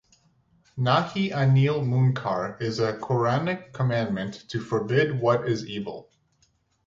Nahi-anil-munkar is a Qur'anic commandment to "forbid what is evil".